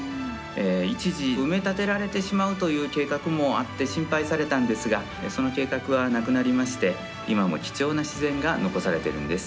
一時、埋め立てられてしまうという計画もあって心配されたんですがその計画はなくなりまして今も貴重な自然が残されているんです。